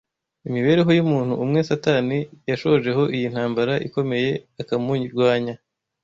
imibereho y’umuntu umwe Satani yashojeho iyi ntambara ikomeye akamurwanya.